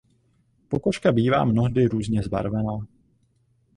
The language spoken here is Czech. Pokožka bývá mnohdy různě zbarvená.